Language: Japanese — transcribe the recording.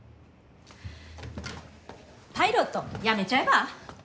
パイロット辞めちゃえば？